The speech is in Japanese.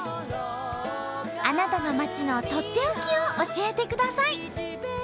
あなたの町のとっておきを教えてください。